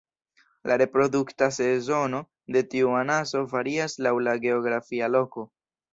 La reprodukta sezono de tiu anaso varias laŭ la geografia loko.